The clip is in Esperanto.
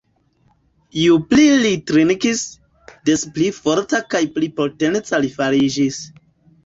Ju pli li trinkis, des pli forta kaj pli potenca li fariĝis.